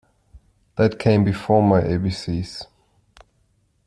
That came before my A B C's.